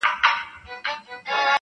• چي یې ته اوربل کي کښېږدې بیا تازه سي,